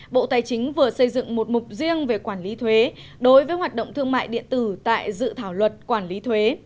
bộ tài chính vừa xây dựng một mục riêng về quản lý thuế đối với hoạt động thương mại điện tử tại dự thảo luật quản lý thuế